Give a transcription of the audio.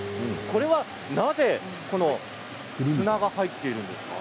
なぜ砂が入っているんですか？